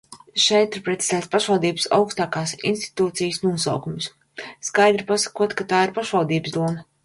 Šeit ir precizēts pašvaldības augstākās institūcijas nosaukums, skaidri pasakot, ka tā ir pašvaldības dome.